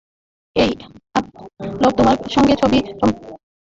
তাই আপলোড করার আগে ছবি সম্পাদনার সফটওয়্যার দিয়ে আকার পরিবর্তন করুন।